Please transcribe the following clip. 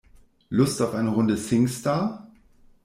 Lust auf eine Runde Singstar?